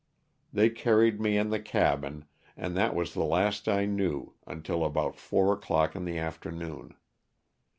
They carried me in the cabin, and that was the last I knew until about four o'clock in the afternoon.